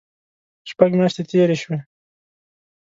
شپږ میاشتې تېرې شوې.